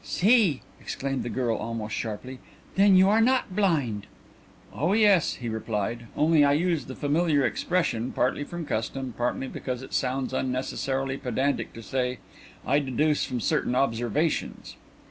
"See!" exclaimed the girl almost sharply. "Then you are not blind?" "Oh yes," he replied; "only I use the familiar expression, partly from custom, partly because it sounds unnecessarily pedantic to say, 'I deduce from certain observations.'"